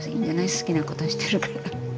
好きなことしてるから。